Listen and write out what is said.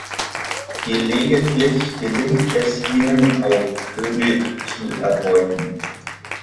Gelegentlich gelingt es ihnen auch Vögel zu erbeuten.